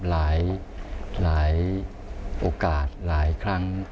หลายโอกาสหลายครั้ง